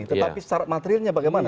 tetapi syarat materialnya bagaimana